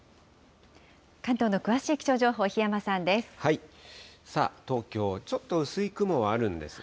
関東の詳しい気象情報、檜山さんです。